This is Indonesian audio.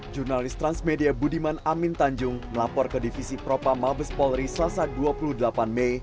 jurnalis transmedia budiman amin tanjung melapor ke divisi propa mabes polri selasa dua puluh delapan mei